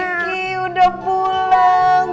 miss kiki sudah pulang